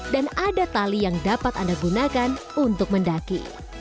dan ada tali yang dapat anda gunakan untuk mendaki